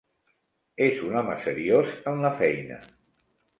És un home seriós en la feina.